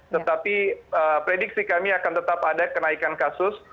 tetapi prediksi kami akan tetap ada kenaikan kasus